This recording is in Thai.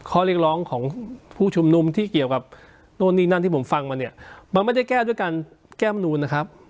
ข้อเรียกร้องของผู้ชุมนุมที่เกี่ยวกับนู่นนี่นั่นที่ผมฟังมาเนี่ยมันไม่ได้แก้ด้วยการแก้มนูนนะครับ